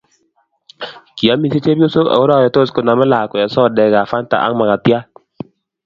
Kiomisie chepyosok ako roritos konamei lakwet sodekap fanta ak makatiat